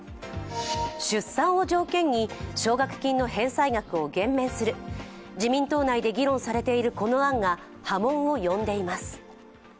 出産を条件に奨学金の返済額を減免する、自民党内で議論されているこの案が波紋を呼んでいます。